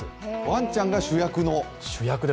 ワンちゃんが主役の。